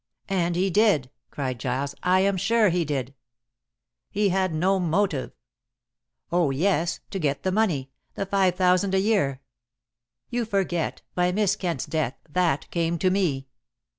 "And he did," cried Giles. "I am sure he did." "He had no motive." "Oh yes, to get the money the five thousand a year." "You forget. By Miss Kent's death that came to me."